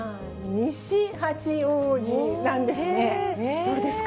西八王子なんですか？